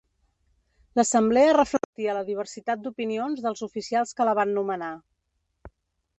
L'assemblea reflectia la diversitat d'opinions dels oficials que la van nomenar.